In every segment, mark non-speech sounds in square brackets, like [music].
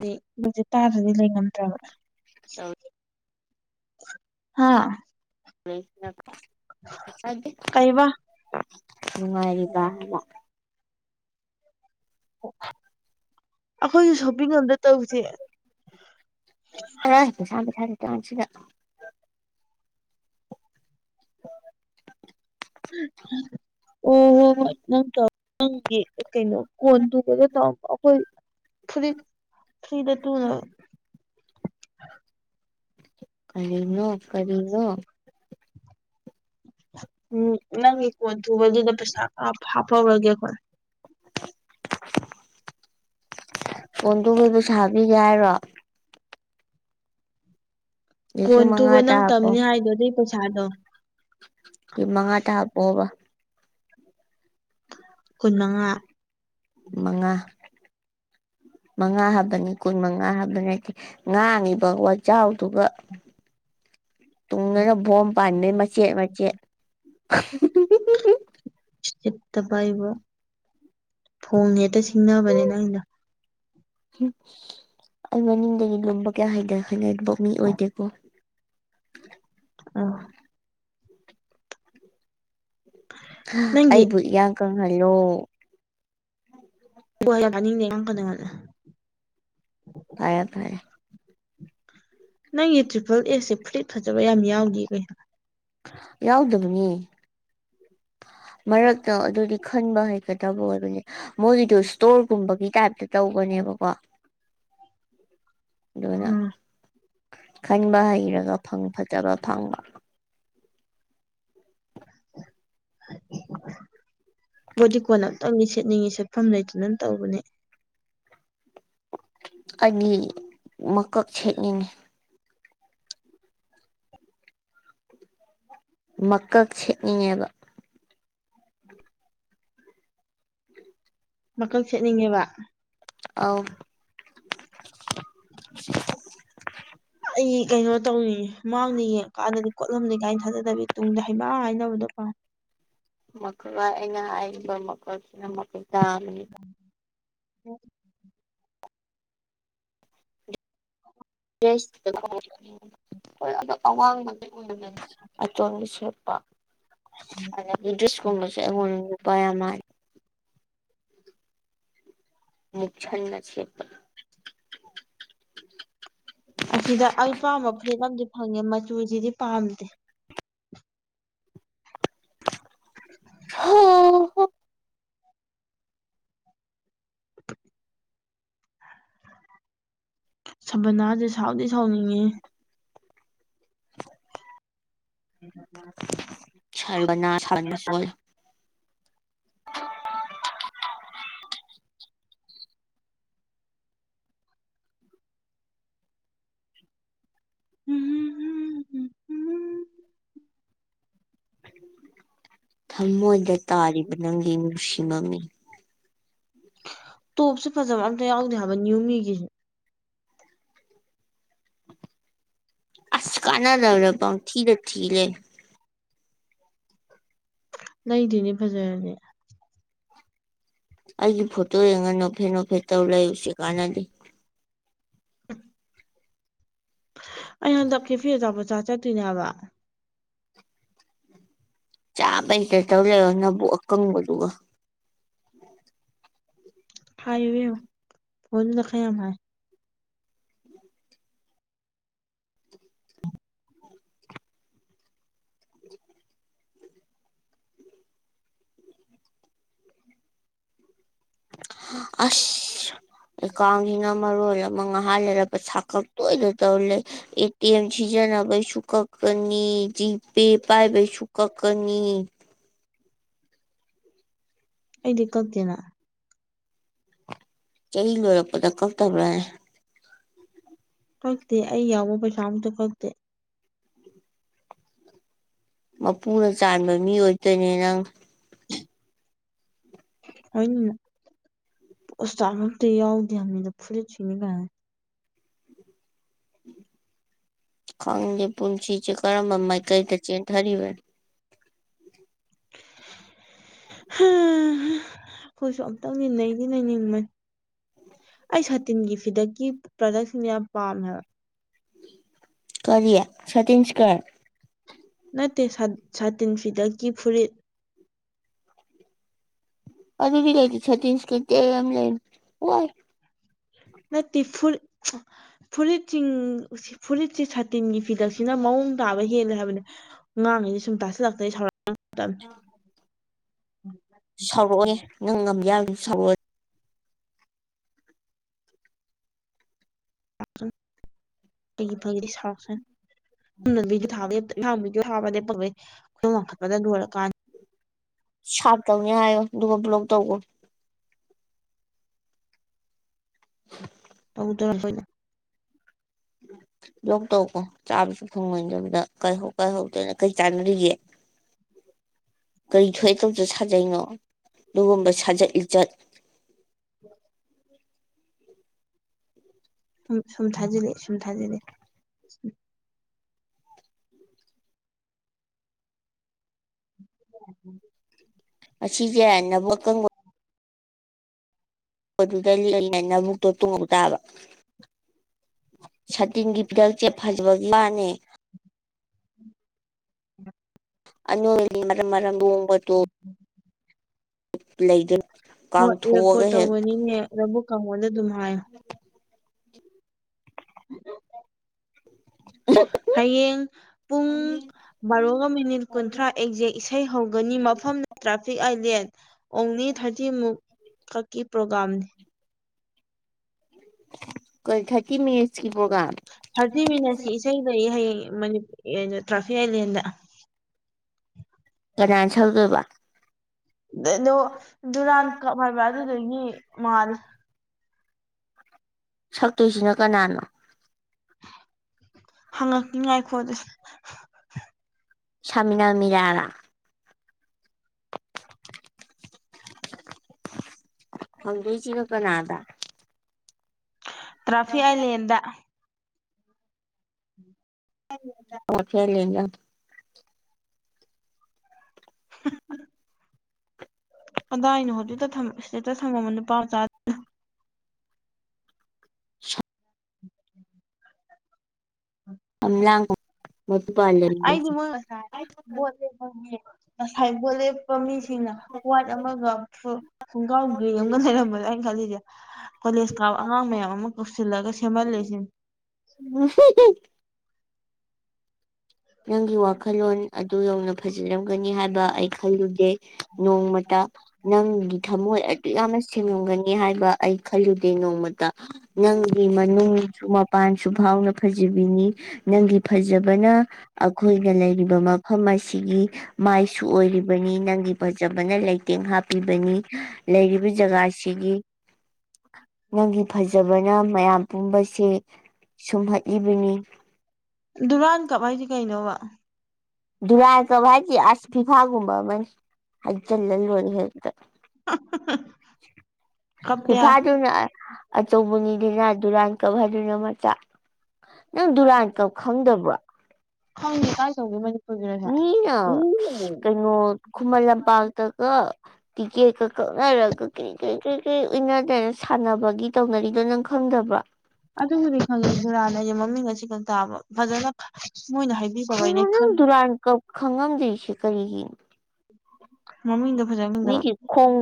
ꯅꯤ ꯃꯣꯢꯖꯨ ꯇꯥꯗ꯭ꯔꯗꯤ ꯂꯩꯉꯝꯗ꯭ꯔꯕ ꯍꯥꯥ ꯀꯩꯕ [unintelligible] ꯅꯨꯡꯉꯥꯏꯔꯤꯕ ꯍꯥꯢꯕ ꯑꯈꯣꯏꯁꯨ ꯁꯣꯞꯄꯤꯡ ꯑꯝꯇ ꯇꯧꯁꯦ ꯍꯣ ꯄꯩꯁꯥꯅ ꯄꯩꯁꯥ ꯂꯩꯇ꯭ꯔꯀꯥꯟꯁꯤꯗ [inaudible] [inaudible] ꯑꯣ ꯍꯣ ꯍꯣꯏ ꯅꯪ ꯇꯧ ꯅꯪꯒꯤ ꯀꯩꯅꯣ ꯀꯣꯟꯗꯨꯒ ꯇꯧꯔꯝꯕ ꯑꯩꯈꯣꯏ ꯐꯨꯔꯤꯠ ꯐ꯭ꯔꯤꯗ ꯇꯨꯅꯕ ꯀꯔꯤꯅꯣ ꯀꯔꯤꯅꯣ ꯎꯝ ꯅꯪꯒꯤ ꯀꯣꯟ ꯊꯨꯕꯗꯨꯗ ꯄꯩꯁꯥ ꯍꯥꯞ ꯍꯥꯞꯍꯧꯔꯒꯦ ꯈꯣꯢ ꯀꯣꯟ ꯇꯨꯕꯩ ꯄꯩꯁꯥ ꯄꯤꯒꯦ ꯍꯥꯏꯔꯣ ꯀꯣꯟ ꯂꯤꯁꯤꯡ ꯃꯉꯥ ꯇꯨꯕ ꯇ ꯅꯪ ꯍꯥꯞꯄꯣ ꯇꯝꯅꯤ ꯍꯥꯏꯗꯣ ꯑꯗꯨꯏ ꯄꯩꯁꯥꯗꯣ ꯃꯉꯥꯇ ꯍꯥꯞꯄꯣꯕ ꯀꯨꯟ ꯃꯉꯥ ꯃꯉꯥ ꯃꯉꯥ ꯍꯥꯕꯅꯤ ꯀꯨꯟ ꯃꯉꯥ ꯍꯥꯕ ꯅꯠꯗꯦ ꯉꯥꯡꯉꯤꯕ ꯋꯥꯖꯥꯎꯗꯨꯒ ꯇꯨꯡꯗꯅ ꯚꯣꯝ ꯄꯥꯟꯕꯩ ꯃꯆꯦꯠ ꯃꯆꯦꯠ ꯆꯠꯇ ꯄꯥꯏꯕ ꯐꯣꯡꯅ ꯍꯦꯛꯇ ꯁꯤꯡꯅꯕꯅꯤ ꯅꯡꯒꯤꯗꯨ ꯎꯝ ꯑꯩ ꯃꯅꯤꯡꯗꯒꯤ ꯂꯨꯝꯕ ꯀꯌꯥ ꯍꯩꯗꯅꯦ ꯍꯩꯅꯕ ꯃꯤ ꯑꯣꯏꯗꯦꯀꯣ ꯑꯥ ꯅꯪꯒꯤ ꯑꯩꯕꯨ ꯏꯌꯥꯡ ꯀꯪꯍꯜꯂꯣ ꯍ ꯌꯥꯅꯤꯡꯗꯦꯉꯥꯡ ꯀꯗꯅ ꯉꯜꯂꯦ ꯇ ꯇꯥꯏꯌꯦ ꯅꯪꯒꯤ ꯇ꯭ꯔꯤꯄꯜ ꯑꯦꯁꯦ ꯐꯨꯂꯤꯠ ꯐꯖꯕ ꯌꯥꯝ ꯌꯥꯎꯗꯦ ꯀꯩꯅꯩꯅꯣ ꯌꯥꯎꯗꯗꯨꯅꯤ ꯃꯔꯛꯇ ꯑꯗꯨꯗꯤ ꯈꯟꯕ ꯍꯩꯒꯗꯕ ꯑꯣꯏꯅꯦ ꯃꯣꯏꯒꯤꯗꯣ ꯏꯁꯇꯣꯔꯒꯨꯝꯕꯒꯤ ꯇꯥꯏꯞꯇ ꯇꯧꯕꯅꯦꯕꯀꯣ ꯑꯗꯨꯅ ꯎꯝ ꯈꯟꯕ ꯍꯩꯔꯒ ꯐꯪ ꯐꯖꯕ ꯐꯪꯕ ꯕꯣꯗꯤ ꯀꯣꯟ ꯑꯃꯇꯪꯗꯤ ꯁꯦꯠꯅꯤꯡꯉꯤ ꯁꯦꯠꯐꯝ ꯂꯩꯇꯅꯅ ꯇꯧꯕꯅꯦ ꯑꯅꯤ ꯃꯀꯛ ꯁꯦꯠꯅꯤꯡꯉꯤ ꯃꯀꯛ ꯁꯦꯠꯅꯤꯡꯉꯦꯗ ꯃꯀꯜ ꯁꯦꯠꯅꯤꯡꯉꯦꯕ ꯑ ꯑꯩ ꯀꯩꯅꯣ ꯇꯧꯅꯤ ꯃꯥꯡꯅꯤ ꯌꯦꯡꯉꯀꯥꯟꯗꯗꯤ ꯀꯣꯠꯂꯝꯅꯤ ꯀꯥꯏꯅ ꯊꯥꯖꯗꯕꯤ ꯇꯨꯡꯗ ꯍꯩꯕ ꯍꯥꯏꯅꯕꯗꯣꯀꯣ ꯃꯈꯜ ꯑꯩꯅ ꯍꯥꯏꯔꯤꯕ ꯃꯈꯜꯁꯤꯅ ꯃꯈꯣꯏ ꯇꯥꯃꯤ ꯍ ꯍꯣꯏ ꯑꯣ ꯑꯋꯥꯡꯕꯗ ꯎꯝ ꯑ ꯆ ꯁꯦꯄ ꯏꯦꯁ ꯀꯁꯣꯏ ꯑꯃꯥꯏ ꯅꯨꯛꯁꯥꯟ ꯅꯁꯤ ꯑꯁꯤꯗ ꯑꯩ ꯄꯥꯝꯕ ꯐꯨꯔꯤꯠ ꯑꯃꯗꯤ ꯐꯪꯉꯦ ꯃꯆꯨꯁꯤꯗꯤ ꯄꯥꯝꯗꯦ ꯍ ꯁꯕꯅꯥꯁꯦ ꯁꯥꯎꯗꯤ ꯁꯥꯎꯅꯤꯡꯉꯤ ꯎꯝ ꯁꯕ ꯅꯥ ꯁꯥꯕꯅꯁꯨꯣꯏ ꯎꯝ ꯊꯃꯣꯏꯗ ꯇꯥꯔꯤꯕ ꯅꯪꯒꯤ ꯅꯨꯡꯁꯤꯃꯛꯅꯤ ꯇꯣꯞꯁꯦ ꯐꯖꯕ ꯑꯝꯇ ꯌꯥꯎꯗꯦ ꯍꯥꯏꯕ ꯅꯅꯤꯌꯨꯃꯤꯒꯤꯁꯦ ꯑꯁ ꯀꯅꯥꯗꯕꯔꯕꯥꯎ ꯊꯤꯔ ꯊꯤꯂꯦ ꯂꯩꯗꯤꯅꯦ ꯐꯖꯔꯅꯤ ꯑꯩꯒꯤ ꯐꯣꯇꯣ ꯌꯦꯡꯉ ꯅꯣꯞꯐꯦ ꯅꯣꯐꯦ ꯇꯧ ꯂꯩꯎꯁꯤ ꯀꯥꯟꯅꯗꯦ ꯑꯩ ꯍꯟꯗꯛꯀꯤꯦ ꯐꯤꯖꯄꯆꯥ ꯆꯠꯇꯣꯏꯅꯦꯕ ꯆꯥꯕ ꯍꯩꯛꯇ ꯇꯧ ꯂꯩꯣ ꯅꯕꯨ ꯑꯀꯪꯕꯗꯨꯒ ꯍꯥꯏꯋꯦ ꯐꯣꯗ ꯈꯩ ꯑꯃꯥꯏ [inaudible] ꯑꯁ ꯀ ꯍꯤꯡ ꯉ ꯃꯔꯨ ꯑꯣꯏꯔ ꯃ ꯉ ꯍꯥꯜꯂꯦꯔ ꯄ ꯊ ꯀ ꯇꯣꯏꯗ ꯇꯧꯔ ꯂꯩꯦ ꯇ ꯑꯦꯝ ꯁꯤꯖꯤꯟꯅꯕꯁꯨ ꯀꯛꯀꯅꯤ ꯖꯤꯄꯦ ꯄꯥꯏꯕꯩꯁꯨ ꯀꯛꯀꯅꯤ ꯑꯩꯗꯤ ꯀꯅ ꯆꯍꯤ ꯂꯣꯏꯔꯛꯄꯗ ꯀꯛꯇꯕ꯭ꯔꯥ ꯍꯥꯏ ꯀꯛꯇꯦ ꯑꯩ ꯌꯥꯎꯕ ꯄꯩꯁꯥ ꯑꯝꯇ ꯀꯛꯇꯦ ꯃꯄꯨꯅ ꯆ ꯃꯤ ꯑꯣꯏꯗꯣꯏꯅꯦ ꯅꯪ ꯍꯅꯤꯅ ꯄꯣꯁꯇꯥꯃꯛꯇ ꯌꯥꯎꯗꯦ ꯌꯥꯝꯅꯤꯗ ꯐꯨꯔꯤꯠ ꯊꯅꯤ ꯀꯥꯏ ꯈꯪꯗꯦ ꯄꯨꯟꯁꯤꯁꯦ ꯀꯔꯝꯕ ꯃꯥꯏꯀꯩꯗ ꯆꯦꯟꯊꯔꯤꯕꯅꯣ ꯑꯩꯈꯣꯏꯁꯨ ꯑꯝꯇꯪ ꯟꯅꯩꯗꯤ ꯂꯩꯅꯤꯡꯕꯅꯤ ꯑꯩ ꯁꯥꯇꯤꯟꯒꯤ ꯐꯤꯗꯛꯀꯤ ꯄ꯭ꯔꯗꯛꯁꯤꯡꯅ ꯌꯥꯝ ꯄꯥꯝꯃꯦꯕ ꯀꯔꯤꯂꯤꯌꯥ ꯁꯇꯤꯁꯒꯔ ꯅꯠꯇꯦ ꯁꯥꯇꯤꯟ ꯐꯤꯗꯛꯀꯤ ꯐꯨꯔꯤꯠ ꯑꯗꯨꯕꯤ ꯂꯩꯩꯗꯤ ꯇꯤꯟꯁꯀ ꯇ ꯌꯥꯝ ꯂꯩ ꯋꯥ ꯅ ꯇꯤꯐꯨꯔ ꯐꯨꯔꯤꯠꯁꯤꯡ ꯐꯨꯔꯤꯠꯁꯤ ꯁꯥꯇꯤꯟꯒꯤ ꯐꯤꯗꯛꯁꯤꯅ ꯃꯑꯣꯡ ꯇꯥꯕ ꯍꯦꯜꯂꯦ ꯍꯥꯏꯕꯅꯦ ꯉꯥꯡꯉꯤꯁꯦ ꯁꯨꯝ ꯇꯥꯁꯤꯜꯂꯛꯇ ꯑꯩ ꯁꯥꯎꯔ [inaudible] ꯁꯧꯔꯛꯑꯣꯑꯦ ꯅꯪ ꯉꯝ ꯌꯥꯕꯗꯤ ꯁꯧꯔꯛꯑꯣ ꯑꯩꯒꯤ ꯐꯗꯤ ꯁꯥꯎꯔꯛꯆꯥꯅꯤ꯫ ꯃꯤꯗꯤ ꯊ ꯂꯍꯥꯡ ꯃꯤꯁꯨꯣ ꯍꯥꯕ ꯂꯦꯞꯄꯩ ꯑꯩꯈ ꯋꯥꯡꯈꯠꯄꯗ ꯂꯣꯏꯔꯀꯥꯟ ꯁꯄ ꯇꯧꯅꯦ ꯍꯥꯏꯌꯣ ꯑꯗꯨꯒꯣ ꯕ꯭ꯂꯣꯛ ꯇꯧ [unintelligible] ꯂꯣꯛ ꯇꯧꯀꯣ ꯆꯥꯕꯁꯨ ꯐꯪꯉꯣꯏꯗꯕꯗ ꯀꯥꯏ ꯀꯥꯏꯍꯧꯗꯣꯏꯅ ꯀꯩ ꯆꯥꯟꯅꯔꯤꯒꯦ꯫ [inaudible] ꯀꯔꯤ ꯊꯣꯛꯑꯦ ꯇꯧꯗ ꯁꯥꯖꯩꯩꯅꯣ ꯑꯗꯨꯒꯨꯝꯕ ꯁꯥꯖꯠ ꯂꯤꯆꯠ [inaudible] ꯁ ꯁꯨꯝ ꯊꯥꯖꯤꯂꯦ ꯁꯨꯝ ꯊꯥꯖꯤꯂꯛꯑꯥ [inaudible] ꯑꯁꯤꯁꯦ ꯅꯕꯪꯛ ꯑꯗꯨꯗ ꯂꯩꯂꯅ ꯑꯃꯨꯛꯇꯣ ꯇꯣꯡꯕ ꯇꯥꯕ ꯁꯇꯤꯟꯒꯤ ꯐꯤꯗꯛꯁꯦ ꯐꯖꯕꯒꯤ ꯋꯥꯅꯦ꯫ ꯑꯅꯣ ꯃꯔꯝ ꯃꯔꯝꯕꯗꯨ [inaudible] ꯂꯩꯗ ꯍꯣꯏ ꯔꯦꯀꯣꯔꯠ ꯇꯧꯕꯅꯤꯅꯦ ꯑꯗꯨꯕꯨ ꯀꯉꯣꯟꯗ ꯑꯗꯨꯝ ꯍꯥꯏꯌꯣ꯫ [inaudible] [inaudible] [unintelligible] ꯍꯌꯦꯡ ꯄꯨꯡ ꯃꯔꯕꯥꯣꯒ ꯃꯤꯅꯤꯠ ꯀꯨꯟꯊ꯭ꯔꯥ ꯑꯦꯛꯖꯦꯛ ꯏꯁꯩ ꯍꯧꯒꯅꯤ ꯃꯐꯝ ꯇ꯭ꯔꯥꯐꯤꯛ ꯑꯥꯏꯂꯦꯟ꯫ ꯑꯣꯡꯂꯤ ꯊꯥꯔꯇꯤ ꯃꯨꯛ ꯀꯛꯀꯤ ꯄ꯭ꯔꯣꯒꯥꯝꯅꯤ꯫ ꯀ ꯊꯀꯤꯃꯤ ꯏꯁꯀꯤꯈꯤꯕ꯭ꯔꯒꯝ ꯊꯥꯔꯇꯤ ꯃꯤꯅꯠꯁꯤ ꯏꯁꯩ ꯂꯩꯌꯦ ꯍꯌꯦꯡ ꯇ꯭ꯔꯥꯐꯤꯛ ꯑꯥꯏꯂꯦꯟꯗ ꯀꯅꯥꯁꯧꯒꯣꯏꯕ ꯑ ꯑꯗꯣ ꯗꯨꯔꯥꯟ ꯀꯞ ꯍꯥꯏꯕ ꯑꯗꯨꯗꯒꯤ ꯃꯥꯜꯂꯦ꯫ ꯁꯛꯇꯣꯏꯁꯤꯅ ꯀꯅꯥꯅꯣ ꯍꯪꯉꯛꯅꯤꯉꯥꯏꯈꯣ ꯑꯗꯨꯁ ꯁꯃꯤꯅꯥ ꯃꯤꯔꯥꯂ ꯍꯪꯗꯣꯏꯁꯤ ꯀꯅꯗꯥ ꯇꯥꯔꯒꯤꯛ ꯑꯥꯏꯂꯦꯟꯗ [unintelligible] ꯑꯗꯥ ꯑꯩꯅ ꯍꯧꯖꯤꯛꯇ ꯏꯁꯇꯦꯠꯇ ꯊꯝꯃꯝꯕ ꯅꯨꯄꯥ ꯃꯆꯥ ꯁꯝꯂꯥꯡ ꯃꯣꯇꯨꯄꯥꯜ ꯑꯩꯗꯤ ꯂꯩꯃꯤꯟꯅꯁꯤ ꯃꯣꯏ ꯉꯥꯁꯥꯌ ꯕꯣꯇ ꯂꯦꯞꯞ ꯃꯤꯒꯤ꯫ ꯉꯑꯁꯥꯏ ꯕꯣꯇꯂꯦꯞ ꯆꯠꯄ ꯃꯤꯁꯤꯡꯅ ꯍ꯭ꯋꯥꯏꯠ ꯑꯃꯒ ꯈꯣꯡꯒꯥꯎ ꯒ꯭ꯔꯤ ꯑꯃꯒ ꯂꯩꯔꯝꯕꯗ ꯑꯩꯅꯅ ꯈꯜꯂꯤꯁꯦ꯫ ꯀꯣꯂꯦꯖ ꯀꯥꯎꯕ ꯑꯉꯥꯡ ꯃꯌꯥꯝ ꯑꯃ ꯀꯧꯁꯤꯜꯂꯒ ꯁꯦꯝꯍꯜꯂꯦꯁꯤꯅꯤ꯫ [unintelligible] ꯅꯪꯒꯤ ꯋꯥꯈꯜꯂꯣꯟ ꯑꯗꯨ ꯌꯧꯅ ꯐꯖꯂꯝꯒꯅꯤ ꯍꯥꯏꯕ ꯑꯩ ꯈꯜꯂꯨꯗꯦ꯫ ꯅꯣꯡꯃꯇꯥ ꯅꯪꯒꯤ ꯊꯃꯣꯏ ꯑꯗꯨ ꯌꯥꯝꯅ ꯁꯦꯡꯂꯝꯝꯒꯅꯤ ꯍꯥꯏꯕ ꯑꯩ ꯈꯜꯂꯨꯗꯦ ꯅꯣꯡꯃꯇ ꯅꯪꯒꯤ ꯃꯅꯨꯡꯁꯨ ꯃꯄꯥꯟꯁꯨ ꯐꯥꯎꯅ ꯐꯖꯕꯤꯅꯤ꯫ ꯅꯪꯒꯤ ꯐꯖꯕꯅ ꯑꯩꯈꯣꯏꯅ ꯂꯩꯔꯤꯕ ꯃꯐꯝ ꯑꯁꯤꯒꯤ ꯃꯥꯏꯁꯨ ꯑꯣꯏꯔꯤꯕꯅꯤ ꯅꯪꯒꯤ ꯐꯖꯕꯅ ꯂꯩꯇꯦꯡ ꯍꯥꯞꯄꯤꯕꯅꯤ꯫ ꯂꯩꯔꯤꯕ ꯖꯒꯥꯁꯤꯒꯤ ꯅꯪꯒꯤ ꯐꯖꯕꯅ ꯃꯌꯥꯝ ꯄꯨꯝꯕꯁꯦ ꯁꯨꯝꯍꯠꯂꯤꯕꯅꯤ꯫ ꯗꯨꯔꯥꯟ ꯀꯞ ꯍꯥꯏꯁꯦ ꯀꯩꯅꯣꯕ ꯗꯨꯔꯀ ꯍꯥꯏ ꯑꯁ ꯐꯤꯐꯥꯒꯨꯝꯕ ꯃꯖꯜ ꯂꯣ ꯍꯛꯇ ꯐ ꯀꯞꯇꯦ ꯍꯥꯏ ꯐꯖꯅ ꯑꯆꯧꯕꯅꯤꯗꯨꯅ ꯗꯨꯔꯥꯟ ꯀꯞ ꯍꯥꯏꯗꯨꯅ ꯃꯆꯥ ꯅꯪ ꯗꯨꯔꯥꯟ ꯀꯞ ꯈꯪꯗꯕ꯭ꯔꯣ ꯍꯪꯦ ꯀꯥꯖꯧꯒꯦ ꯃ ꯃꯤ ꯀꯩꯅꯩꯅꯣ ꯈꯨꯨꯃꯔ ꯂ ꯄꯥꯥꯛꯇ ꯀ ꯇꯤꯛꯀꯦꯠꯀ ꯀꯛꯅꯔꯒ ꯀꯔꯤ ꯀꯔꯤ ꯀꯔꯤ ꯀꯔꯤ ꯎꯟꯅꯗꯦꯅ ꯁꯥꯟꯅꯕꯒꯤ ꯇꯧꯅꯔꯤꯗꯣ ꯅꯪ ꯈꯪꯗꯕ꯭ꯔꯥ ꯑꯗꯨꯕꯨꯗꯤ ꯈꯪꯉꯦ ꯁꯨꯔꯥꯅ ꯑꯩꯌꯦ ꯃꯃꯤꯡ ꯑꯁꯤ ꯈ ꯇꯥꯕ ꯐꯖꯅ ꯃꯣꯏꯅ ꯍꯥꯏ ꯀꯩꯅꯣ ꯅꯪ ꯗꯨꯔꯥꯟ ꯈꯪꯉꯝꯗ꯭ꯔꯤꯁꯦ ꯀꯔꯤꯒꯤꯅꯣ ꯃꯃꯤꯗ ꯐꯖꯪ ꯅꯒꯤ ꯈꯣꯡ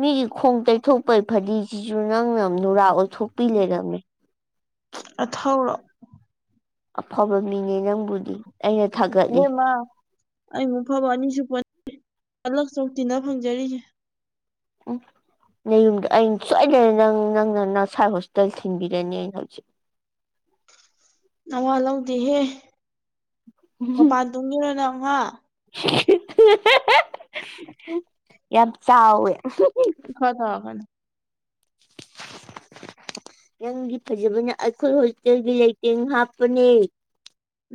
ꯃꯤꯒꯤ ꯈꯣꯡ ꯇꯩꯊꯣꯛꯄꯩ ꯐꯗꯤꯁꯤꯁꯨ ꯅꯪꯅ ꯅꯨꯔꯥ ꯑꯣꯏꯊꯣꯛꯄꯤ ꯂꯩꯔꯝꯃꯤ ꯑꯊꯧꯊꯧꯔꯛ ꯑꯐꯕ ꯃꯤꯅꯦ ꯅꯪꯕꯨꯗꯤ ꯑꯩꯅ ꯊꯥꯒꯠꯂꯤ ꯏꯦꯝꯃ ꯑꯩꯃꯨꯛ ꯐꯕ ꯑꯅꯤꯁꯨꯄꯂ ꯁꯣꯛ ꯇꯤꯟꯅ ꯐꯪꯖꯔꯤꯁꯦ ꯎꯝ ꯅ ꯌꯨꯝꯗ ꯑꯩꯅ ꯁꯣꯏꯗꯅ ꯅꯪ ꯅꯪꯅ ꯅꯁꯥꯏ ꯍꯣꯁꯄꯤꯇꯥꯜ ꯊꯤꯟꯕꯤꯔꯅꯤ ꯑ ꯍꯧꯖꯤꯛ ꯅꯋꯥ ꯂꯧꯗꯦꯍꯦ ꯃꯄꯥꯟ ꯇꯨꯡꯉꯔꯣ ꯅ ꯑꯃ ꯌꯥꯝ ꯆꯥꯎꯋꯦ ꯈ ꯊ ꯈꯅ ꯈꯤꯇꯪꯗꯤ ꯐꯖꯕꯅꯦ ꯑꯩꯈꯣꯏ ꯍꯣꯁꯇꯦꯜꯒꯤ ꯂꯩꯇꯦꯡ ꯍꯥꯞꯄꯅꯦ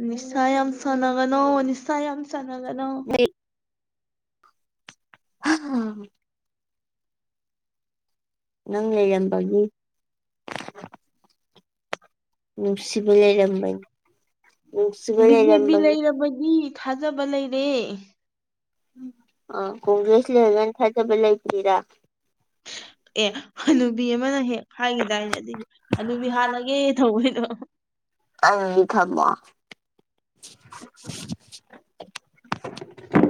ꯅꯤꯁꯥ ꯌꯥꯝ ꯁꯅꯒꯅꯣ ꯅꯤꯁꯥ ꯌꯥꯝ ꯁꯅꯒꯅꯣ ꯍ ꯎꯝ ꯅꯪ ꯍꯦꯒꯟꯕꯒꯤ ꯅꯨꯡꯁꯤꯕ ꯂꯩꯔꯝꯕꯅꯤ ꯅꯨꯡꯁꯤꯕ ꯕꯤꯖꯦ ꯄꯤ ꯂꯩꯔꯝꯕꯒꯤ ꯂꯩꯔꯕꯒꯤ ꯊꯥꯖꯕ ꯂꯩꯔꯦ ꯑ ꯀꯣꯡꯒ꯭ꯔꯦꯁ ꯂ ꯍꯒꯟ ꯍꯥꯏꯖꯕꯂ ꯏꯇꯔꯥ ꯑꯦ ꯍꯅꯨꯕꯤ ꯑꯃꯅ ꯍꯦꯛ ꯍꯥꯏꯈꯤꯗꯥꯏꯅꯦ ꯑꯗꯨꯏꯗꯤ ꯑꯗꯨꯗꯤ ꯍꯥꯜꯂꯒꯦ ꯊꯑꯣꯣꯏꯗꯣ ꯑ ꯊꯃ ꯎ